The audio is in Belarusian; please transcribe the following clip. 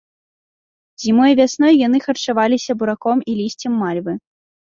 Зімой і вясной яны харчаваліся бураком і лісцем мальвы.